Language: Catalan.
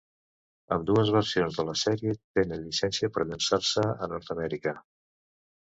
Ambdues versions de la sèrie tenen llicència per llançar-se a Nord-Amèrica.